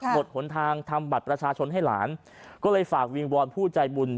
หนทางทำบัตรประชาชนให้หลานก็เลยฝากวิงวอนผู้ใจบุญ